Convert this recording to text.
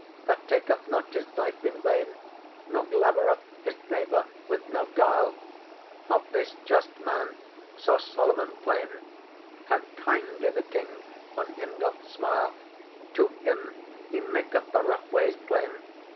That taketh not his life in vain Nor glavereth his neighbour with no guile : Of this just man saw Solomon plain, How kindly the King on him doth smile : To him He maketh the rough ways plain.